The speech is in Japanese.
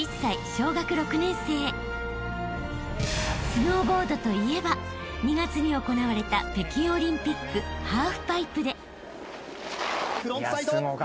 ［スノーボードといえば２月に行われた北京オリンピックハーフパイプで］